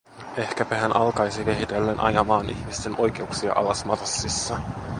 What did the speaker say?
Ehkäpä hän alkaisi vähitellen ajamaan ihmisten oikeuksia alas Marssissa.